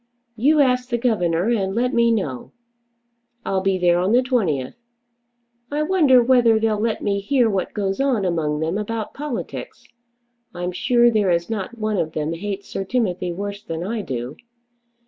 You ask the governor and let me know. I'll be there on the 20th. I wonder whether they'll let me hear what goes on among them about politics. I'm sure there is not one of them hates Sir Timothy worse than I do.